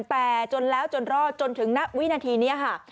แต่จนแล้วจนรอดจนถึงณวินาทีนี้ค่ะ